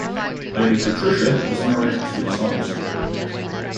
Lady Patricia was married three times.